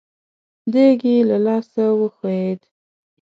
دېګ يې له لاسه وښوېد.